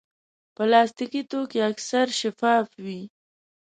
پلاستيکي توکي اکثر شفاف وي.